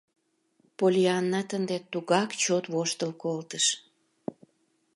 Поллианнат ынде тугак чот воштыл колтыш.